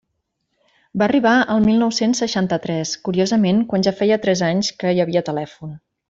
Va arribar el mil nou-cents seixanta-tres, curiosament quan ja feia tres anys que hi havia telèfon.